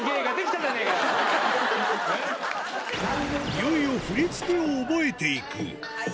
いよいよ振り付けを覚えていく